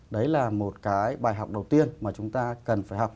đấy là một cái bài học đầu tiên mà chúng ta cần phải học